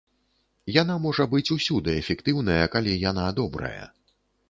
Яна можа быць усюды эфектыўная, калі яна добрая.